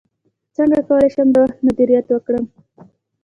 څنګه کولی شم د وخت مدیریت وکړم